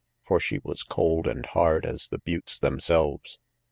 For she was cold and hard as the buttes themselves.